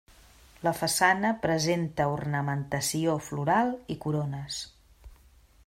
La façana presenta ornamentació floral i corones.